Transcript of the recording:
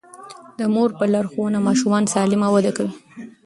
د مور په لارښوونه ماشومان سالم وده کوي.